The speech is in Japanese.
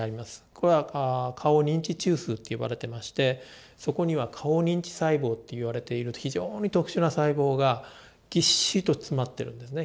これは顔認知中枢って呼ばれてましてそこには顔認知細胞っていわれている非常に特殊な細胞がぎっしりと詰まってるんですね。